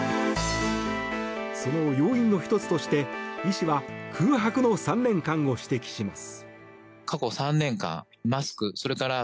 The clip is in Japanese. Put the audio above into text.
その要因の１つとして、医師は空白の３年間を指摘します。